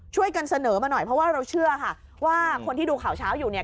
ช่วยกันเสนอมาหน่อยเพราะว่าเราเชื่อค่ะว่าคนที่ดูข่าวเช้าอยู่เนี่ย